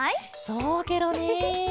そうケロね。